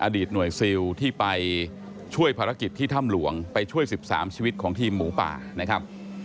หน่วยซิลที่ไปช่วยภารกิจที่ถ้ำหลวงไปช่วย๑๓ชีวิตของทีมหมูป่านะครับ